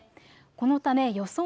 このため予想